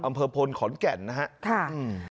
อำเภอพลขอนแก่นนะครับ